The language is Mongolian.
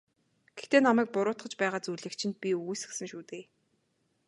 Гэхдээ намайг буруутгаж байгаа зүйлийг чинь би үгүйсгэсэн шүү дээ.